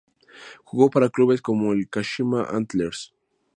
Jugó para clubes como el Kashima Antlers.